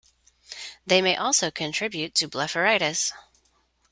They may also contribute to blepharitis.